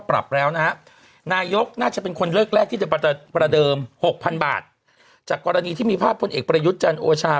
ปรับแล้วนะฮะนายกน่าจะเป็นคนเลิกแรกที่จะประเดิมหกพันบาทจากกรณีที่มีภาพพลเอกประยุทธ์จันทร์โอชา